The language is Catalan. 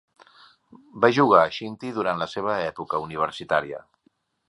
Va jugar a shinty durant la seva època universitària.